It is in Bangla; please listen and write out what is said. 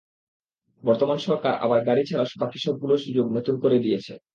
বর্তমান সরকার আবার গাড়ি ছাড়া বাকি সবগুলো সুযোগ নতুন করে দিয়েছে।